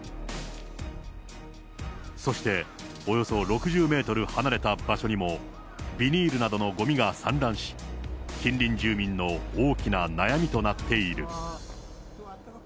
そしておよそ６０メートル離れた場所にも、ビニールなどのごみが散乱し、近隣住民の大きな悩みとなっている。